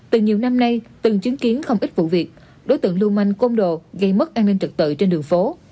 từ nhiều năm nay từng chứng kiến không ít vụ việc đối tượng lưu manh côn đồ gây mất an ninh trật tự trên đường phố